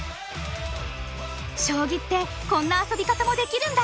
将棋ってこんな遊び方もできるんだ！